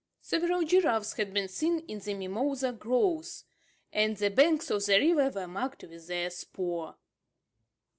Several giraffes had been seen in the mimosa groves, and the banks of the river were marked with their spoor.